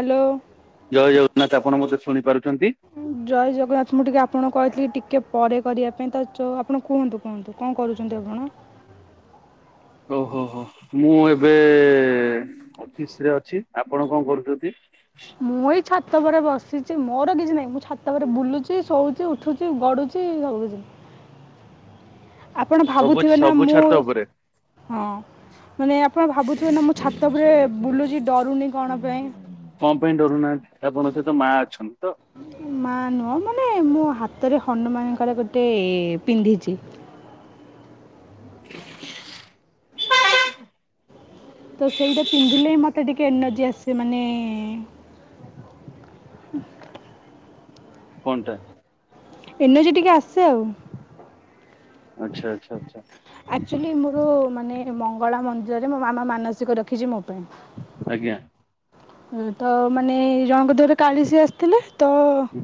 Hello. ଜୟ ଜଗନ୍ନାଥ ଆପଣ ମତେ ଶୁଣିପାରୁଚ ନ୍ତି? ଜୟ ଜଗନ୍ନାଥ ମୁଁ ଟିକେ ଆପଣଙ୍କୁ କହିଥିଲି ଟିକେ ପରେ କରିବା ପାଇଁ ତ ଆପଣ କୁହନ୍ତୁ। କୁହନ୍ତୁ କଣ କରୁକନ୍ତି ଆପଣ? ଓହୋ ହୋ ମୁଁ ଏବେ ଅଫିସ ରେ ଅଛି ଆପଣ କଣ କରୁଚନ୍ତି? ମୁଁ ଏଇ ଛାତ ପରେ ବସିଛି। ମୋର କିଛି ନାହିଁ ମୁଁ ଛାତ ଉପରେ ବୁଲୁଛି, ଶୋଉଛି, ଉଠୁଚି। ଗଡୁଚି, ସବୁକିଛି। ଆପଣ ସବୁ ଭାବୁଥିବେ ନା, ସବୁ ମୁଁ, ଛାତ ଉପରେ ହଁ। ମାନେ ଆପଣ ଭାବୁଥିବେ ନା, ମୁଁ ଛାତ ଉପରେ ବୁଲୁଛି, ଡରୁନି କଣ ପାଇଁ? କଣ ପାଇଁ ଡରୁନାହାନ୍ତି ଆପଣଙ୍କ ସହିତ ମା ଅଛନ୍ତି ତ? ମା ନୁହ ମାନେ ମୋ ହାତରେ ହନୁମାନଙ୍କର ଗୋଟେ ପିନ୍ଧିଚି। [inaudible] ତ ସେଇଟା ପିନ୍ଧିଲେ ହିଁ ମତେ ଟିକେ ଏନର୍ଜି ଆସେ ମାନେ କଣଟା? ଏନର୍ଜି ଟିକେ ଆସେ ଆଉ। ଆଚ୍ଛା, ଆଚ୍ଛା, ଆଚ୍ଛା। ଆକ୍ଚୁଆଲି, ମୋର ମାନେ, ମଙ୍ଗଳା ମନ୍ଦିରରେ ମୋ ମାମା ମାନସିକ ରଖିଚି ମୋ ପାଇଁ। ଆଜ୍ଞା। ତ, ମାନେ, ଜଣଙ୍କ ଦେହରେ କାଳିଶି ଆସିଥିଲେ ତ ହୁଁ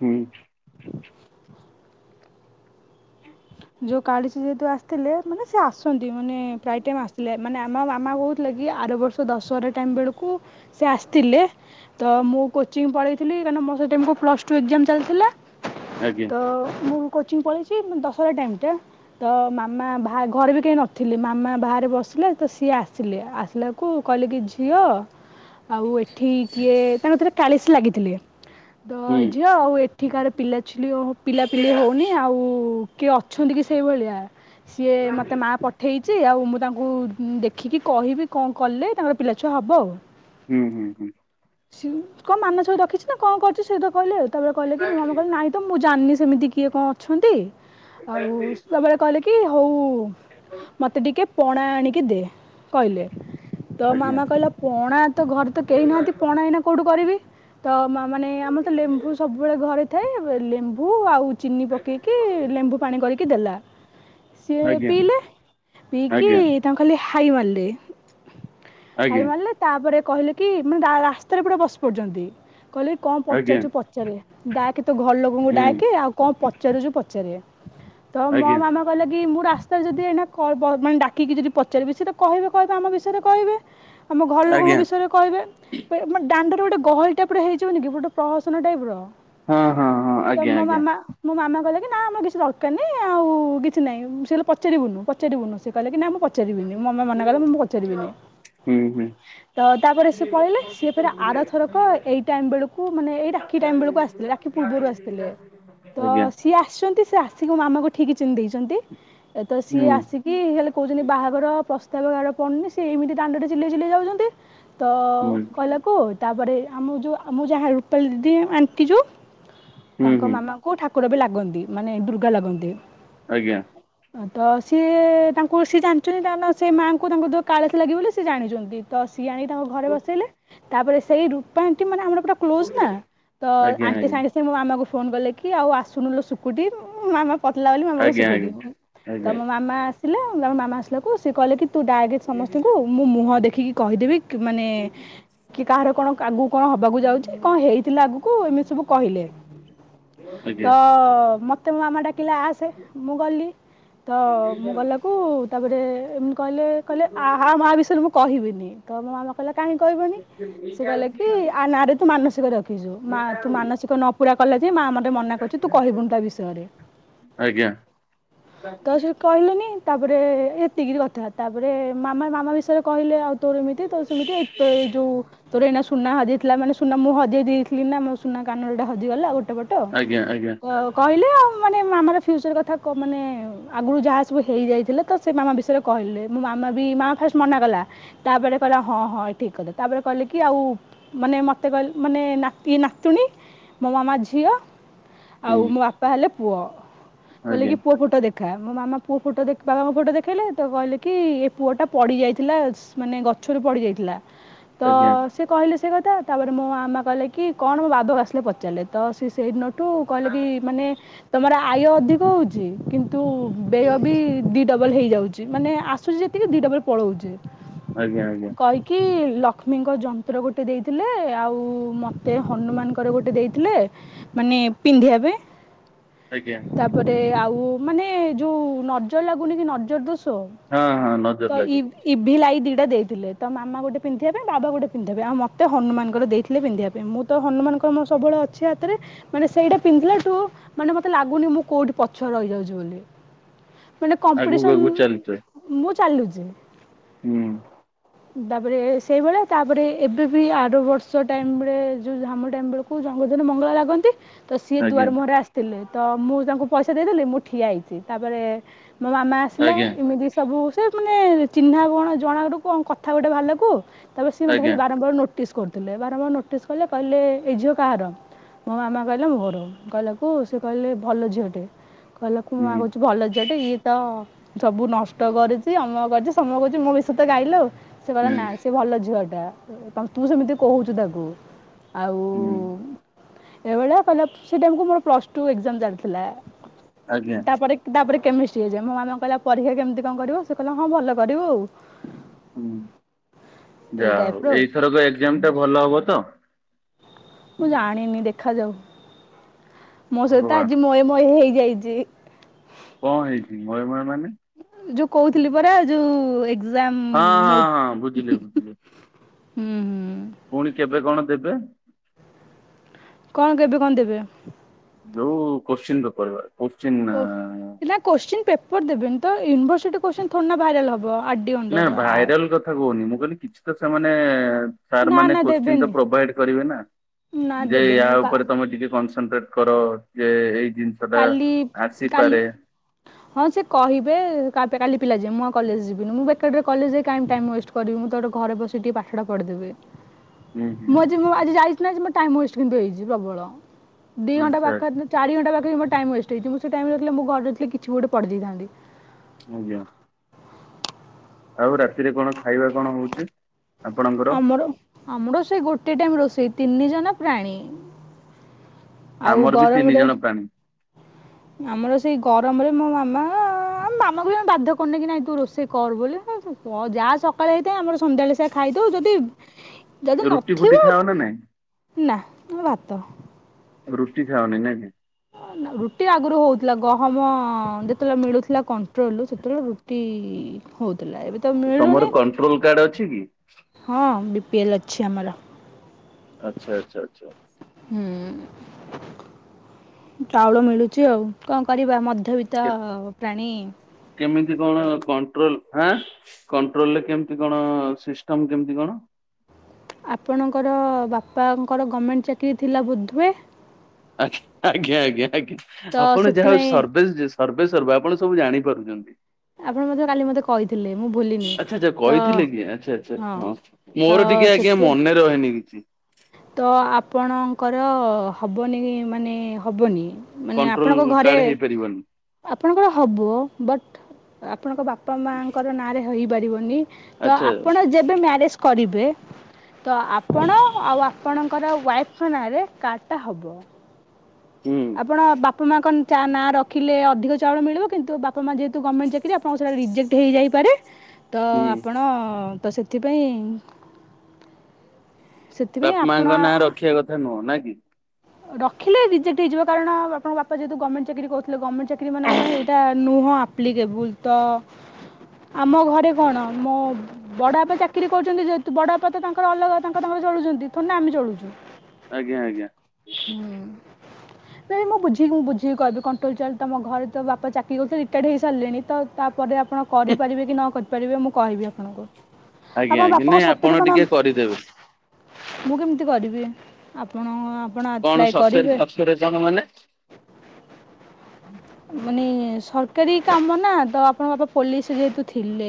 ହୁଁ। ଯୋଉ କାଳିଶି ଯେହେତୁ ଆସିଥିଲେ ମାନେ ସେ ଆସନ୍ତି ମାନେ ପ୍ରାୟ ଟାଇମ୍ ଆସିଲେ ମାନେ ଆମ ମାମା କହୁଥିଲେ କି ଆର ବର୍ଷ ଦଶହରା ଟାଇମ୍ ବେଳକୁ ସେ ଆସିଥିଲେ ତ ମୁଁ କୋଚିଂ ପଳେଇଥିଲି କାରଣ ମୋ ସେ ଟାଇମ୍ କୁ ପ୍ଲସ୍ ଟୁ ଏକ୍ଜାମ୍ ଚାଲିଥିଲା। ଆଜ୍ଞା ତ ମୁଁ କୋଚିଂ ପଳେଇଚି ଦଶହରା ଟାଇମ୍ ଟା ତ ମାମା ବା ଘରେ ବି କେହିଁ ନଥିଲେ ମାମା ବାହାରେ ବସିଲେ ତ ସିଏ ଆସିଲେ ଆସିଲା କୁ କହିଲିକି ଝିଅ? [inaudible] ଆଉ ଏଠି କିଏ ତାଙ୍କଥିରେ କାଳିଶି ଲାଗିଥିଲେ ତ ହୁଁ ଝିଅ ଆଉ ଏ ଏଠିକାର ପିଲାଛିଲି ହଉ-ପିଲାପିଲି ହୋଉନି ଆଉ କିଏ ଅଛନ୍ତି କି ସେଇଭଳିଆ? ସିଏ ମୋତେ ମା ପଠ ପଠେଇଚି ଆଉ ମୁଁ ତାଙ୍କୁ ଦେଖିକି କହିବି କଣ କଲେ ତାଙ୍କର ପିଲାଛୁଆ ହବ ଆଉ। ହୁଁ, ହୁଁ, ହୁଁ। ସି କଣ ମାନସିକ ରଖିଛି ନା କଣ କରୁଛି ସେ କଥା କହିଲେ ତାପରେ କହିଲେ କି ମାମା କହିଲେ ନାଇଁ ତ ମୁଁ ଜାଣିନି ସେମିତି କିଏ କଣ ଅଛନ୍ତି ଆଉ ସେତେବେଳେ କହିଲେ କି ହୋଉ ମତେ ଟିକେ ପଣା ଆଣିକି ଦେ କହିଲେ। ତ ଆଜ୍ଞା ମାମା କହିଲା ପଣା ତ ଘରେ ତ କେହି ନାହାନ୍ତି ପଣା ଏଇନା କୋଉଠୁ କରିବି? ତ ମା-ମାନେ ଆମର ତ ଲେମ୍ବୁ ସବୁବେଳେ ଘରେ ଥାଏ ଲେମ୍ବୁ ଆଉ ଚିନି ପକେଇକି ଲେମ୍ବୁପାଣି କରିକି ଦେଲା ସେ ଆଜ୍ଞା ପିଇଲେ ପିଇକି ଆଜ୍ଞା ତାଙ୍କୁ ଖାଲି ହାଇ ମାରିଲେ ଆଜ୍ଞା ହାଇ ମାରିଲେ ତାପରେ କହିଲେ କି, ମାନେ ରା ରାସ୍ତାରେ ପୁରା ବସି ପଡ଼ୁଛନ୍ତି। କହିଲେ, କଣ ଆଜ୍ଞା ପଚାରୁଛୁ, ପଚାରେ? ଡାକେ ତୋ ଘର ଲୋକଙ୍କୁ ହୁଁ ଡାକେ, ଆଉ କଣ ପଚାରୁଛୁ, ପଚାରେ? ତ ମୋ ଆଜ୍ଞା ମାନ କହିଲେ କିି, ମୁଁ ରାସ୍ତାରେ ଯଦି ଏଇନେ କହିବ, ମାନେ ଡାକିକି ଯଦି ପଚାରିବି, ସେତ କହିବେ, କହିବେ ଆମ ବିଷୟରେ କହିବେ। ଆମ ଘର ଲୋକଙ୍କ ଆଜ୍ଞା ବିଷୟରେ କହିବେ। ଦାଣ୍ଡରେ ଗୋଟେ ଗହଳି ଟାଇପ୍ ର ହେଇଯିବନି କି, ଗୋଟେ ପ୍ରହସନ ଟାଇପ୍ ର। ହଁ ହଁ ହଁ ତ, ଆଜ୍ଞା ମୋ ଆଜ୍ଞା ମାମା-ମୋ ମାମା କହିଲେ କି, ନା ଆମର କିଛି ଦରକାର ନାଇଁ, ଆଉ କିଛି ନାହିଁ, ସେ କହିଲେ ପଚାରିବୁନୁ, ପଚାରିବୁନୁ, ସେ କହିଲେ କି, ନା ମୁଁ ପଚାରିବିନି। ମୋ ମାମା ମନେ କଲେ, ମୁଁ ପଚାରିବିନି। ହୁଁ, ହୁଁ। ତ, ତାପରେ ସିଏ ପଳେଇଲେ। ସିଏ ଫରେ ଆରଥରକ ଏଇ ଟାଇମ୍ ବେଳକୁ, ମାନେ ଏଇ ରାକ୍ଷୀ ଟାଇମ୍ ବେଳକୁ, ଆସିଥିଲେ। ରା ଖି ପୂର୍ବରୁ ଆସିଥିଲେ। ତ ଆଜ୍ଞା ସିଏ ଆସିଛନ୍ତି। ସିଏ ଆସିକି ମୋ ମାମାଙ୍କୁ ଠିକ ଚିହ୍ନି ଦେଇଛନ୍ତି। ତ ସିଏ ହୁଁ ଆସି କି ହେଲେ, କହୁଛନ୍ତି, ବାହାଘର ପ୍ରସ୍ତାବ କାହାର ପଡ଼ନି? ସେ ଏମିତି ଦାଣ୍ଡରେ ଚିଲେଇ ଚିଲେଇ ଯାଉଛନ୍ତି। ତ, ହୁଁ କହିଲ ଙ୍କୁ ତାପରେ ଆମ ଯୋଉ ମୁଁ ଯାହା ରୂପାଲି ଦିଦି ଆଣ୍ଟି ଯୋଉ ହୁଁ ତାଙ୍କ ହୁଁ ମାମା କୋଉଁ ଠାକୁରବି ଲାଗନ୍ତି ମାନେ ଦୁର୍ଗା ଲାଗନ୍ତି ଆଜ୍ଞା। ତ ସିଏ ତାଙ୍କୁ ସିଏ ଜାଣିଛନ୍ତି ତାଙ୍କ ସେ ମାଆଙ୍କୁ ତାଙ୍କ ଯୋଉ କାଳିସି ଲାଗିବ ବୋଲି ସେ ଜାଣିଛନ୍ତି। ତ ସିଏ ଆଣିକି ତାଙ୍କ ଘରେ ବସେଇଲେ ତାପରେ ସେଇ ରୂପାଆଣ୍ଟି ମାନେ ଆମର ପୁରା କ୍ଲୋଜ ନାଁ ତ ଆଜ୍ଞା ଆଣ୍ଟି ଆଜ୍ଞା ସାଙ୍ଗେ ସେ ମୋ ମାମାକୁ ଫୋନ କଲେ କି ଆଉ ଆସୁନୁଲ ଶୁକୁଟି ମୋ ମାମା ପତଲା ବୋଲି ମାମକୁହେ ଆଜ୍ଞା ଶୁକୁଟି ଆଜ୍ଞା ତ ଆଜ୍ଞା। ମୋ ମାମା ଆସିଲେ ତମ ମାମା ଆସିଲାକୁ ସେ କିଲେ କି ତୁ ଡାକେ ସମସ୍ତଙ୍କୁ ମୁଁ ମୁହଁ ଦେଖିକି କହିଦେବି କି ମାନେ କି କାହାର କଣ ଆଗକୁ କଣ ହବାକୁ ଯାଉଛି କଣ ହେଇଥିଲା ଆଗକୁ ଏମି ସବୁ କହିଲେ ଆଜ୍ଞା ତ ମତେ ମୋ ମାମା ଡାକିଲା ଆସ ସେ ମୁଁ ଗଲି ତ ମୁଁ ଗଲାକୁ ତାପରେ ଏମି କହିଲେ କହିଲେ ଆ ହା ମୁଁ ୟାବିଷୟରେ ମୁଁ କହିବିନି ତ ମୋ ମାମା କହିଲେ କାହିଁ କହିବନି ସେ କହିଲେ କି ଆ ନାଁ ରେ ତୁ ମାନସିକ ରଖ ଖିଚୁ ମା ତୁ ମାନସିକ ନପୁରା କଲାଯାଏ ମା ମତେ ମନା କରୁଚି ତୁ କହିବୁ ତା ବିଷୟରେ ଆଜ୍ଞା ତା ସହିତ କହିଲେନି ତାପରେ ଏତିକିରି କଥା ତାପରେ ମାମା ମାମା ବିଷୟରେ କହିଲେ ଆଉ ତୋ ଏମିତି ତୋ ସେମିତି ଏତ ଏଇ ଯୋଉ ତୋର ଏଇନା ସୁନା ହଜିଯାଇଥିଲା ମାନେ ସୁନା ମୁଁ ହଜେଇ ଦେଇଥିଲିନା ମୋ ସୁନା କାନଟା ହଜିଗଲା ଗୋଟେ ଟ ବଟ କ ଆଜ୍ଞା ଆଜ୍ଞା କହିଲେ ଆଉ ମାନେ ଆମର ଫିଉଚର କଥା କ ମାନେ ଆଗରୁ ଯାହା ସବୁ ହେଇଯାଇଥିଲେ ତ ସେ ମାମା ବିଷୟରେ କହିଲେ ମୋ ମାମା ବି ମା ଫାଷ୍ଟ ମନାକଲା ତାପରେ କହିଲା ହଁ ହଁ ଠିକ କଥା ତାପରେ କହିଲେ କି ଆଉ ମାନେ ମତେ କହିଲ ମାନେ ନାତି ନାତୁଣୀ ମୋ ମାମା ଝିଅ ହୁଁ ଆଉ ମୋ ବାପା ହେଲେ ପୁଅ କହିଲେ ଆଜ୍ଞା କି ପୁଅ ଫଟୋ ଦେଖ ଖା ମୋ ମାମା ପୁଅ ଫଟ ଦେଖି ବାବା ମୋ ଫଟୋ ଦେଖେଇଲେତ କହିଲେକି ଏ ପୁଅଟା ପଡିଯାଇଥିଲା ମାନେ ଗଛରୁ ପଡ଼ିଯାଇଥିଲାତ ଆଜ୍ଞା ସେ କହିଲେ ସେ କଥା ତାପରେ ମୋ ମାମା କହିଲେ କି କଣ ମୋ ବାବାକୁ ଆସିଲେ ପଚାରିଲେ ତ ସେ ସେଇଦିନଠୁ କିନ୍ତୁ କହିଲେକି ମାନେ ତମର ଆୟ ଅଧିକ ହଉଛି କିନ୍ତୁ ବ୍ୟୟବି ଦି ଡବଲ ହେଇଯାଉଛି ମାନେ ଆସୁଛି ଯେତିକି ଦିଡବଲ ପଳଉଚି ଆଜ୍ଞା ଆଜ୍ଞା କହିକି ଲକ୍ଷ୍ମୀଙ୍କ ଯନ୍ତ୍ର ଗୋଟେ ଦେଇଥିଲେ ଆଉ ମୋତେ ହନୁମାନଙ୍କର ଗୋଟେ ଦେଇଥିଲେ। ମାନେ ପିନ୍ଧିବାପାଇଁ ଆଜ୍ଞା। ଗୋଟେ ଆଉ ମାନେ ଯୋଉ ନଜର ଲାଗୁନି କି ନଜର ଦୋଷ ହଁ ହଁ ନଜର ଲାଗେ ଇଭିଲାଇଦିଟା ଦେଇଥିଲେ ତ ମାମା ଗୋଟେ ପିନ୍ଧିବା ପାଇଁ ବାବା ଗୋଟେ ପିନ୍ଧିବା ପାଇଁ ଆଉ ମତେ ହନୁମାନଙ୍କର ଦେଇଥିଲେ ପିନ୍ଧିବା ପାଇଁ ମୁଁ ତ ହନୁମାନଙ୍କ ଆମ ସବୁବେଳେ ଅଛି ହାତରେ ମାନେ ସେଇଟା ପିନ୍ଧିଲାଠୁ ମାନେ ମତେ ଲାଗୁନି ମୁଁ କୋଉଠି ପଛ ରହିଯାଉଚି ବୋଲି ମାନେ ଆଗକୁ କମ୍ପିଡିସନ ଆଗକୁ ଚାଲିଥାଏ ମୁଁ ଚାଲୁଚି ହୁଁ। ତାପରେ ସେଇଭଳିଆ ତାପରେ ଏବେବି ଆର ବର୍ଷ ଟାଇମ୍ ଯୋଉ ଝାମୁ ଟାଇମ୍ ବେଳକୁ ଯାହାକୁ ମଙ୍ଗଳ ଲାଗନ୍ତି ତ ସିଏ ଆଜ୍ଞା ଦୁଆର ମୁହଁ ରେ ଆସି ଥିଲେତ ମୁଁ ତାଙ୍କୁ ପଇସା ଦେଇଦେଲି ମୁଁ ଠିଆ ହେଇଚି ତାପରେ ମୋ ମାମା ଆସିଲେ ଆଜ୍ଞା। ଏମିତି ସବୁ ସେ ମାନେ ଚିହ୍ନା କଣ ଜଣା ରୁ କଥା ଗୋଟେ ଭାରିଲାକୁ ତାପରେ ସିଏ ମୋତେ ଆଜ୍ଞା ଖାଲି ବାରମ୍ବାର ନୋଟ ନୋଟିସ କରୁଥିଲେ ବାରମ୍ବାର ନୋଟିସ କଲେ କହିଲେ ଏଇ ଝିଅ କାହାର ମୋ ମାମା କହିଲେ ମୋର କହିଲା କୁ ସେ କହିଲେ ଭଲ ଝିଅଟେ କହିଲାକୁ ମାଆ ହୁଁ। କହୁଚି ଭଲ ଝିଅଟେ ଇଏ ହୁଁ ତ ସବୁ ନଷ୍ଟ କରିଛି ଅମକ କରିଚି ସମକ କରୁଚି ମୋ ବିଷୟରେତ ଗାଇଲେ ଆଉ ସେ କହିଲା ନା ସେ ଭଲ ଝିଅଟା ତୁ ସେମିତି କହୁଛୁ ତାକୁ। ଆଉ ହୁଁ ଏଇଭଳିଆ କହିଲା ସିଏ ତମକୁ ମୋର ପ୍ଲସଟୁ ଏକଜାମ ଚାଲିଥିଲା ଆଜ୍ଞା ତାପରେ ତାପରେ କେମିଷ୍ଟ୍ରି ଏଗଜାମ ମୋ ମାନଙ୍କୁ କହିଲା ପରୀକ୍ଷା କେମିତି କଣ କରିବ ସେ କହିଲା ହଁ ଭଲ କରିବୁ ଆଉ। ହୁଁ ଏଇ ଯାହାହଉ ଟାଇପ୍ର ଆଉ ଏଇଥରକ ଏକ୍ଜାମ ଟା ଭଲ ହବ ତ? ମୁଁ ଜାଣିନି ଦେଖାଯାଉ। ମୋ ସହିତ ଭଗବାନ ଆଜି ମୋୟେ ମୋୟେ ହେଇଯାଇଚି। କଣ ହେଇଚି ମୋୟେ ମୋୟେ ମାନେ? ଯୋଉ କହୁଥିଲି ପରା ଯୋଉ ହଁ ଏକ୍ଜାମଟ ହଁ ହଁ ବୁଝିଲି ନୋଟ ବୁଝିଲି। ହୁଁ ହୁଁ। ପୁଣି କେବେ କଣ ଦେବେ? କଣ କେବେ କଣ ଦେବେ? ଯୋଉ କୋଶ୍ଚିନ ପେପର ବା। ଓହୋ ନା କୋଶିନ ପେପର ଦେବେନି ତ ୟୁନିଭର୍ସିଟି କୋଶ୍ଚି ଥୋଡ଼ି ନା ଭାଇରାଲ୍ ହବ। ଡି ନା ଅଣ୍ଡର ଆ ଭାଇରାଲ କଥା କହୁନି ମୁଁ କହିଲି କିଛି ତ ସେମାନେ ସାର୍ ନା ମାନେ ନା କୋ ଚିନ ଦେବେନି ପ୍ରୋଭାଇଡ କରିବେ ନା ନା ଯେ ୟା ଦେବେନି କା ଉପରେ ତମେ ଟିକେ କନସନଟ୍ରେଟ ତାଙ୍କର ଯେ ଏଇ ଜିନିଷ ଟା କାଲି କାଲି ଆସିପାରେ ହଁ ସେ କହିବେ କାଲି ପିଲା ଯିବେ ମୁଁ କଲେଜ ଯିବିନି ମୁଁ ବେକାରଟାରେ କଲେଜ ଯାଇ କାଇଁ ଟାଇମ୍ ୱେଷ୍ଟ କରିବି ମୁଁ ତ ଘରେ ବସିିକେ ଟିକେ ପାଠା ପଢ଼ଦେବି ହୁଁ ହୁଁ ମୁଁ ଆଜି ମୁଁ ଆଜି ଯାଇଚି ନା ଆଜି ମୋ ଟାଇମ୍ ୱେଷ୍ଟ କିନ୍ତୁ ହେଇଚି ପ୍ରବଳ ଦି ଘଣ୍ଟା ଆଚ୍ଛା ପାଖରେ ଚାରି ଘଣ୍ଟା ପାଖରେ ଟାଇମ୍ ୱେଷ୍ଟ ହୋଇଛି ମୁଁ ସେ ଟାଇମ୍ ରଖ ମୁଁ ଘରେ ରହିଥିଲେ କିଛି ଗୋଟେ ପଡ଼ି ଦେଇଥାନ୍ତି। ଆଜ୍ଞା। ଆଉ ରାତିରେ କଣ ଖାଇବା କଣ ହଉଚି? ଆମର ଆମର ସେ ଗୋଟେ ଟାଇମ୍ ରୋଷେଇ ତିନି ଜଣ ପ୍ରାଣୀ ଆଉ ଆମର ବି ତିନି ଗରମରେ ଜଣ ପ୍ରାଣୀ ଆମର ସେଇ ଗରମରେ ମୋ ମାମା ମାମାକୁ ବି ଆମେ ବାଧ୍ୟ କରିନେ କି ନାଇଁ ତୁ ରୋଷେଇ କର ବୋଲି ମୁଁ ଯାହା ଆରେ ଏଇତ ଆମର ସନ୍ଧ୍ୟାବେଳେ ସେଇଆ ଖାଇଦଉ ଯଦି ଯଦି ରୁଟି ଫୁଟି ନଥିବ ଖାଅ ନା ନାଇଁ? ନା ଭାତ। ରୁଟି ଖାନି ନାକି? ରୁଟି ଆଗରୁ ହଉଥିଲା ଗହମ ଯେତେବେଳେ ମିଳୁଥିଲା କଣ୍ଟ୍ରୋଲ ରୁ ସେତେବେଳେ ରୁ ଟି ହଉଥିଲା ଏବେ ତ ମିଳୁନି ତମର କଣ୍ଟ୍ରୋଲ କାର୍ଡ ଅଛି କି? ହଁ ବି ପିଏଲ୍ ଅଛି ଆମର। ଆଚ୍ଛା ଆଚ୍ଛା ଆଚ୍ଛା। ହୁଁ ଚାଉଳ ମିଳୁଚି ଆଉ କଣ କରିବା ମଧ୍ୟ ବିତ୍ ତ କେ ପ୍ରାଣୀ। କେମିତି କଣ କଣ୍ଟ୍ରୋଲ ଆଁ କଣ୍ଟ୍ରୋଲରେ କେମିତି କଣ ସିଷ୍ଟମ୍ କେମିତି କଣ? ଆପଣଙ୍କର ବାପାଙ୍କର ଗଭର୍ଣ୍ଣମେଣ୍ଟ ଚାକିରୀ ଥିଲା ବୋଧହୁଏ? ଆ୍ଞା ଆଞା ଆ୍ଞା ତ ଆପଣ ଯାହାଉ ସେଥିପାଇଁ ସର୍ ବେଜେ ଯେସେ୍। ସର୍ବେସର୍ବା ଆପଣ ସବୁ ଜାଣିପାରୁଚନ୍ତି। ଆପଣ ମଧ୍ୟ କାଲି ମୋତେ କହିଥିଲେ ମୁଁ ଭୁଲିନି ଆଚ୍ଛା ଯେ ତ କହିଥିଲେ କି ଆଚ୍ଛା ଆଚ୍ଛା ହଁ। ତ ମୋର ଟିକେ ଆଜ୍ଞା ସେଥି ମନେ ରହେନି କିଛି। ତ ଆପଣଙ୍କର ହବ ନେହିଁ ମାନେ ହବନି। ମାନେ କଣ୍ଟ୍ରୋଲ ଆପଣଙ୍କ କାର୍ଡ ଘରେ ହେଇପାରିବନି। ଆପଣଙ୍କର ହବ ବଟ୍ ଆପଣଙ୍କ ବାପା ମାଙ୍କର ନାଁରେ ହେଇପାରିବନି ତ ଆଚ୍ଛା ଆପଣ ଯେବେ ମ୍ୟାରେଜ୍ କରିବେ ତ ଆପଣ ଆଉ ଆପଣଙ୍କର ୱାଇଫ୍ ଙ୍କ ନାଁରେ କାର୍ଡଟା ହବ। ହୁଁ। ଆପଣ ବାପ ମାଙ୍କ ଚା ନାଁ ରଖିଲେ ଅଧିକ ଚାଉଳ ମିଳିବ କିନ୍ତୁ ବା ତମା ଯେହେତୁ ଗମେଣ୍ଟ ଚାକିରୀ ଆପଣଙ୍କ ସେଟା ରିଜେକ୍ଟ ହେଇଯାଇପାରେ ତ ହୁଁ ଆପଣ ତ ସେ ଥିପାଇଁ ସେ ବାପ୍ ମାଙ୍କ ନାଁ ରଖିବା କଥା ନୁହଁ ନା କି? ରଖିଲେ ରିଜେକ୍ଟ୍ ହେଇଯିବ କାରଣ ବାପାଙ୍କ ବାପା ଯେହେତୁ ଗମେଟ୍ ଚାକିରି କରୁଥୁଲେ ଗମେଟ୍ ଚାକିରିମାନଙ୍କ ପାଇଁ ଏଇଟା ନୁହଁ ଆପ୍ଲିକେବୁଲ୍ ତ ଆମ ଘରେ କଣ ମୋ ବଡ଼ାପା ଚାକିରି କରୁଚନ୍ତି ଯେହେତୁ ବଡ଼ାପା ତ ତାଙ୍କର ଅଲଗା ତାଙ୍କ ତାଙ୍କର ଚଳୁଚନ୍ତି, ଥୋଡି଼ ନା ଆମେ ଚଳୁଚୁ? ଆଜ୍ଞା ଆଜ୍ଞା। ହୁଁ। ତାଇଁ ମୁଁ ବୁଝିକି ମୁଁ ବୁଝି କହିବି କଣ୍ଟ୍ରୋଲ୍ ଚାଉଳ ତମ ଘରେ ତ ବାପା ଚାକିରି କରୁଥୁଏ ରିଟାର୍ଡ଼ ହେଇସାରଲେଣି ତ ତାପରେ ଆପଣ କରିପାରିବେ କି ନ କରିପାରିବେ ମୁଁ କହିବି ଆପଣଙ୍କୁ। ଆଜ୍ଞା ଆପଣ ଆଜ୍ଞା ନାଇଁ ବାପାଙ୍କ ଆପଣ ସତରେ କଣ ଟିକେ କରିଦେବେ। ମୁଁ କେମିତି କରିବି ଆପଣ ଆପଣ କଣ ଆପ୍ଲାଏ ସସେରେ କରିବେ ସସେରେ କଣ‌ ମାନେ? ମାନେ ସରକାରୀ କାମ ନାଁ ତ ଆପଣଙ୍କ ବାପା ପୋଲିସ୍ ଯେହେତୁ ଥିଲେ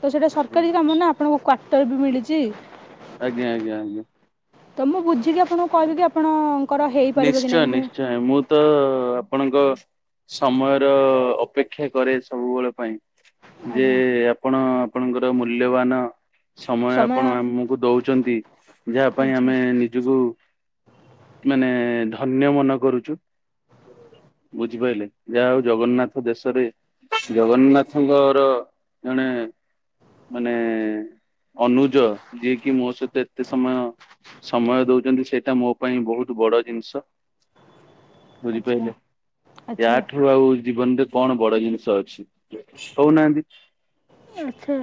ତ ସେଟା ଆଜ୍ଞା ସରକାରୀ କାମ ନାଁ ଆପଣଙ୍କୁ କ୍ଵାର୍ଟର ବି ମିଳିଚି। ଆଜ୍ଞା ଆଜ୍ଞା ଆଜ୍ଞା। ତ ମୁଁ ବୁଝିକି ଆପଣଙ୍କୁ କହିବି କି ଆପଣଙ୍କର ହେଇପାରିବ କି ନିଶ୍ଚୟ ନାଇଁ ମୁଁ ନିଶ୍ଚୟ ମୁଁ ତ ଆପଣଙ୍କ ସମୟର ଅପେକ୍ଷା କରେ ସବୁବେଳ ପାଇଁ। ଯେ ଆଜ୍ଞା ଆପଣ ଆପଣଙ୍କର ମୂଲ୍ୟବାନ ସମୟ ଆପଣ ଆମୁକୁ ଦଉଚନ୍ତି ଯାହା ପାଇଁ ଆଚ୍ଛା ଆମେ ନିଜୁକୁ ମାନେ ଧନ୍ୟ ମନେ କରୁଚୁ। ବୁଝିପାରିଲେ। ଯାହା ହଉ ଜଗନ୍ନାଥ ଦେଶରେ ଜଗନ୍ନାଥଙ୍କର ଜଣେ ମାନେ ଅନୁଜ ଯିଏକି ମୋ ସହିତ ଏତେ ସମୟ ସମୟ ଦଉଚନ୍ତି ସେଟା ମୋ ପାଇଁ ବହୁତ୍ ବଡ ଜିନିଷ ଆଚ୍ଛା ବୁଝିପାରିଲେ। ୟା ଆଚ୍ଛା ଠୁ ଆଉ ଜୀବନରେ କଣ ବଡ ଜିନିଷ ଅଛି କହୁନାହାନ୍ତି। ଆଚ୍ଛା।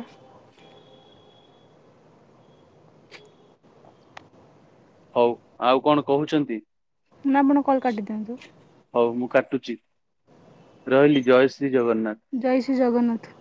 ହଉ -ଆଉ କଣ କହୁଚନ୍ତି? ନା ଆପଣ କଲ୍ କାଟିଦିଅନ୍ତୁ। ହଉ ମୁଁ କାଟୁଚି ରହିଲି ଜୟ ଶ୍ରୀ ଜଗନ୍ନାଥ। ଜୟ ଶ୍ରୀ ଜଗନ୍ନାଥ।